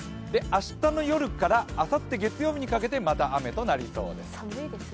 明日の夜からあさって月曜日にかけてまた雨となります。